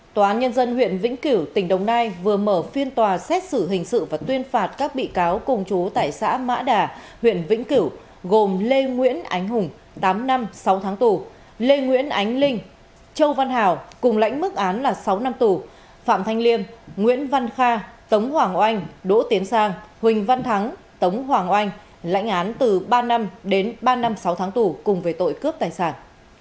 tòa án nhân dân huyện vĩnh cửu tỉnh đồng nai vừa mở phiên tòa xét xử hình sự và tuyên phạt các bị cáo cùng chú tại xã mã đà huyện vĩnh cửu gồm lê nguyễn ánh hùng tám năm sáu tháng tù lê nguyễn ánh linh châu văn hào cùng lãnh mức án là sáu năm tù phạm thanh liêm nguyễn văn kha tống hoàng oanh đỗ tiến sang huỳnh văn thắng tống hoàng oanh lãnh án từ ba năm đến ba năm sáu tháng tù cùng với tội cướp tài sản